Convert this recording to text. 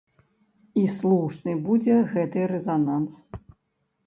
І слушны будзе гэты рэзананс.